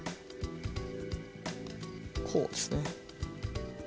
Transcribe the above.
こうですね。